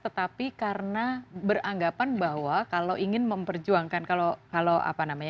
tetapi karena beranggapan bahwa kalau ingin memperjuangkan kalau apa namanya